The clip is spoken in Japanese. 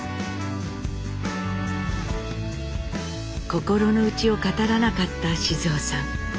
心の内を語らなかった雄さん。